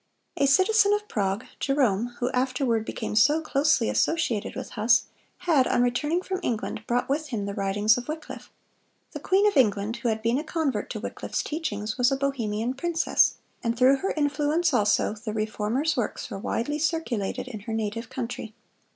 A citizen of Prague, Jerome, who afterward became so closely associated with Huss, had, on returning from England, brought with him the writings of Wycliffe. The queen of England, who had been a convert to Wycliffe's teachings, was a Bohemian princess, and through her influence also the Reformer's works were widely circulated in her native country.